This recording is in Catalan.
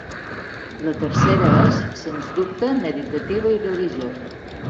La tercera és, sens dubte, meditativa i religiosa.